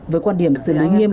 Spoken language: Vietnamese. với quan điểm xử lý